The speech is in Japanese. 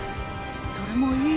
それもいい。